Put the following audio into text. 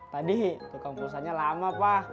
tadi tukang perusahaannya lama pak